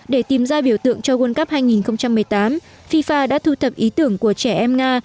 để tìm ra biểu tượng cho world cup hai nghìn một mươi tám fifa đã thu thập ý tưởng của trẻ em nga